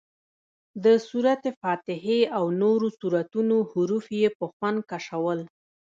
د سورت فاتحې او نورو سورتونو حروف یې په خوند کشول.